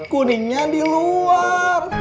kuningnya di luar